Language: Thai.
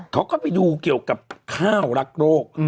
เขาก็ไปดูเกี่ยวกับข้าวรักโรค